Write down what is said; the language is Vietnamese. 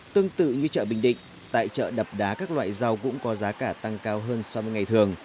tương tự như chợ bình định tại chợ đập đá các loại rau cũng có giá cả tăng cao hơn so với ngày thường